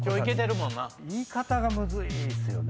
言い方がむずいっすよね。